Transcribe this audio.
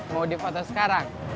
mau dipoto sekarang